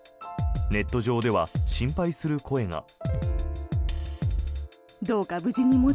ネット上では心配する声が。